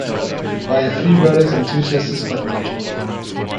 I have three brothers and two sisters, but no children.